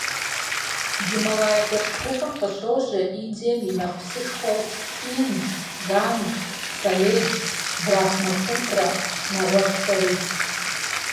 Гималай къурш гупым къыщожьэ Индием и нэхъ псышхуэу Инд, Ганг, Саледж, Брахмапутрэ, нэгъуэщӀхэри.